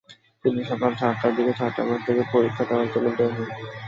তিনি সকাল সাতটার দিকে ছাত্রাবাস থেকে পরীক্ষা দেওয়ার জন্য বের হন।